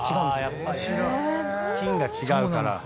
やっぱり菌が違うから。